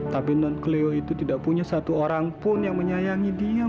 tapi nonkeleo itu tidak punya satu orang pun yang menyayangi dia mas